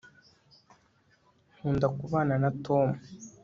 nkunda kubana na tom